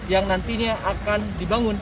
yang nantinya akan dibangun